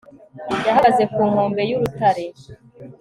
Yahagaze ku nkombe zurutare